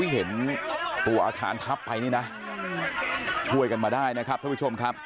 เห็นตัวอาคารทับไปนี่นะช่วยกันมาได้นะครับท่านผู้ชมครับ